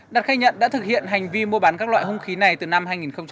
đạt khai nhận đã thực hiện hành vi mua bán các loại hung khí này từ năm hai nghìn một mươi ba